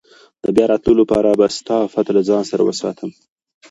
د بیا راتلو لپاره به ستا پته له ځان سره وساتم.